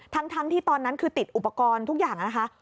ทั้งที่ตอนนั้นคือติดอุปกรณ์ทุกอย่างนะคะ